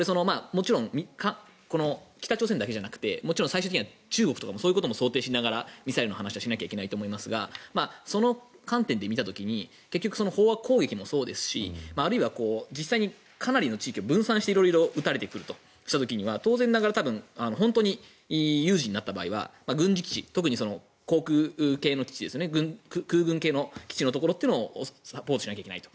もちろん北朝鮮だけじゃなくて最終的には中国とかそういうことも想定しながらミサイルの話をしなきゃいけないと思いますがその観点で見た時に結局、飽和攻撃もそうですしあるいは実際にかなりの地域に分散して色々撃たれたりした時には当然ながら本当に有事になった場合には軍事基地特に航空系の基地空軍系の基地をサポートしなきゃいけないと。